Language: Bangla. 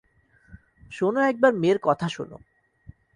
শোনো একবার মেয়ের কথা শোনো!